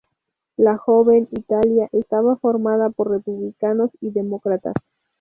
La Joven Italia estaba formada por republicanos y demócratas.